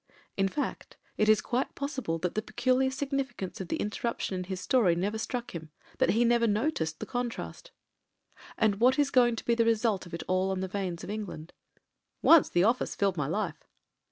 In fact, it is quite possible that the peculiar signifi cance of the interruption in his story never struck him : that he never noticed the Contrast. And what is going to be the result of it all on the Vanes of England? "Once the office filled my life."